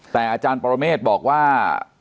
แต่อาจารย์ปรเมฆบอกว่า